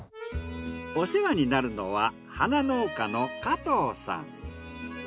お世話になるのは花農家の加藤さん。